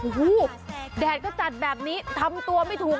โอ้โหแดดก็จัดแบบนี้ทำตัวไม่ถูก